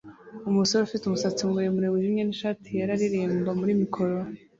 Umusore ufite umusatsi muremure wijimye nishati yera aririmba muri mikoro